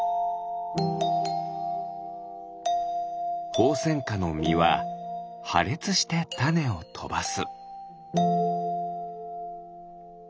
ホウセンカのみははれつしてたねをとばす。